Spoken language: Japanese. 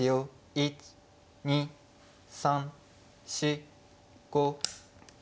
１２３４５。